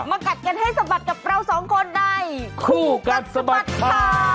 กัดกันให้สะบัดกับเราสองคนในคู่กัดสะบัดข่าว